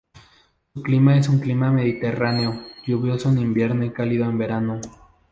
Su clima es un clima mediterráneo, lluvioso en invierno y cálido en verano.